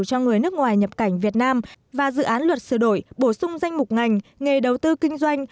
cho người nước ngoài nhập cảnh việt nam và dự án luật sửa đổi bổ sung danh mục ngành nghề đầu tư kinh doanh